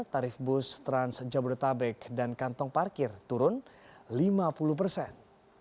tarif bus trans jabodetabek dan kantong parkir turun lima puluh persen